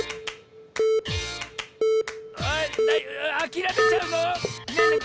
あれあきらめちゃうの⁉ねえねえ